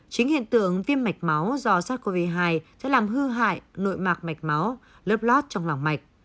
chính hiện tượng viêm mạch máu do sars cov hai sẽ làm hư hại nội mạc mạch máu lớt lót trong lòng mạch